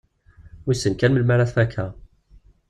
Wissen kan melmi ara t-fakkeɣ.